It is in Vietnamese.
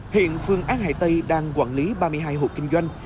hiện phường an hải tây đang quản lý ba mươi hai hộ kinh doanh